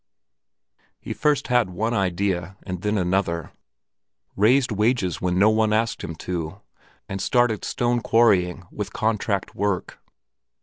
He first had one idea and then another, raised wages when no one had asked him to, and started stone quarrying with contract work.